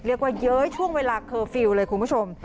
เรียกว่าเย้ยช่วงเวลาเคอร์ฟิลเลยคุณผู้ชม